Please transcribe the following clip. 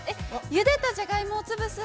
◆ゆでたじゃがいもを潰す。